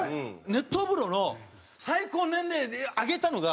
熱湯風呂の最高年齢上げたのが。